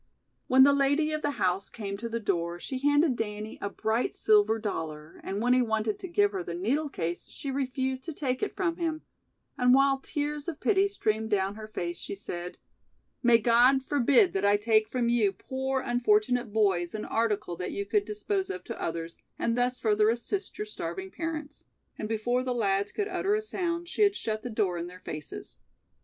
When the lady of the house came to the door she handed Danny a bright silver dollar and when he wanted to give her the needle case she refused to take it from him, and while tears of pity streamed down her face she said: "May God forbid that I take from you poor unfortunate boys an article that you could dispose of to others, and thus further assist your starving parents", and before the lads could utter a sound she had shut the door in their faces.